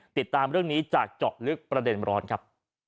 ติดตามเรื่องนี้จากเจาะลึกประเด็นร้อนครับ